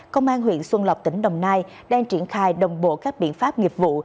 công an huyện xuân lộc tỉnh đồng nai đang triển khai đồng bộ các biện pháp nghiệp vụ